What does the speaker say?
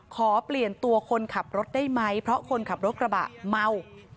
ขอเปลี่ยนตัวคนขับรถได้ไหมเพราะคนขับรถกระบะเมา